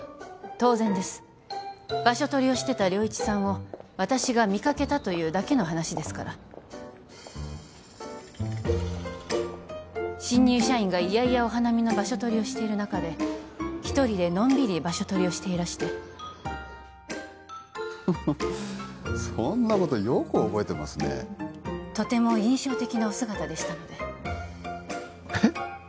当然です場所取りをしてた良一さんを私が見かけたというだけの話ですから新入社員が嫌々お花見の場所取りをしている中で一人でのんびり場所取りをしていらしてフフフそんなことよく覚えてますねとても印象的なお姿でしたのでえっ？